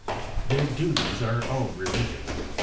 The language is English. Their duties are all religious.